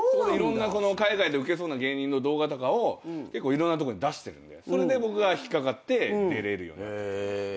海外でウケそうな芸人の動画とかをいろんなとこに出してるんでそれで僕が引っ掛かって出れるようになったんです。